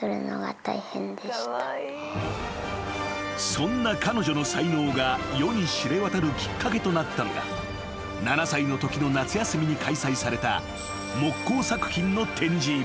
［そんな彼女の才能が世に知れ渡るきっかけとなったのが７歳のときの夏休みに開催された］